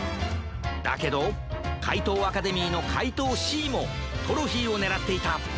だけどかいとうアカデミーのかいとうＣもトロフィーをねらっていた。